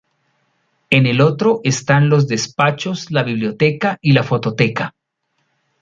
En el otro están los despachos, la biblioteca y la fototeca.